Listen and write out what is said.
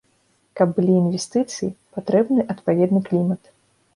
Каб былі інвестыцыі, патрэбны адпаведны клімат.